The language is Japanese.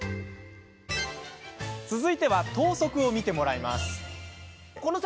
続いて、等速を見てもらいます。